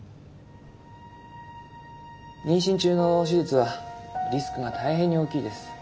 妊娠中の手術はリスクが大変に大きいです。